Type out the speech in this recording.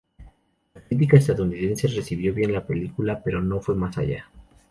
La crítica estadounidense recibió bien la película, pero no fue más allá.